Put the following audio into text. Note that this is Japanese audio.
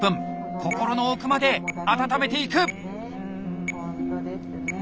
心の奥まで温めていく！